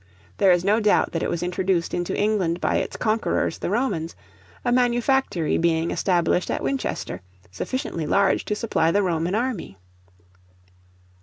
There is no doubt that it was introduced into England by its conquerors the Romans, a manufactory being established at Winchester, sufficiently large to supply the Roman army.